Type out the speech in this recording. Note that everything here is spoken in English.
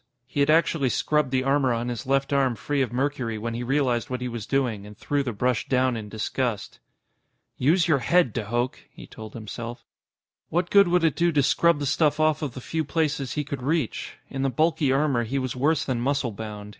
He had actually scrubbed the armor on his left arm free of mercury when he realized what he was doing and threw the brush down in disgust. "Use your head, de Hooch!" he told himself. What good would it do to scrub the stuff off of the few places he could reach? In the bulky armor, he was worse than muscle bound.